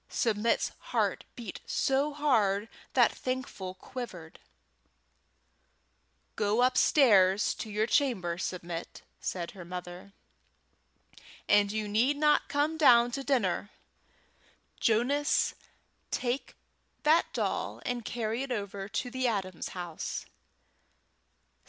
Submit's heart beat so hard that Thankful quivered. "Go upstairs to your chamber, Submit," said her mother, "and you need not come down to dinner. Jonas, take that doll and carry it over to the Adams' house."